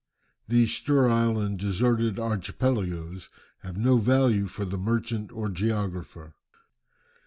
These sterile and deserted archipelagoes have no value for the merchant or geographer.